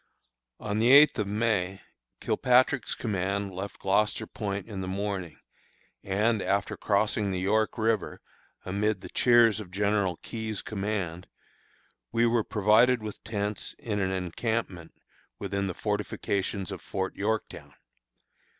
On the eighth of May, Kilpatrick's command left Gloucester Point in the morning, and, after crossing the York River, amid the cheers of General Keyes' command, we were provided with tents in an encampment within the fortifications of Fort Yorktown.